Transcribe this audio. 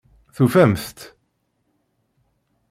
Tufamt-tt?